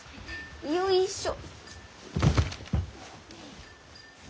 よいしょ。